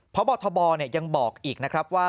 พบทบยังบอกอีกนะครับว่า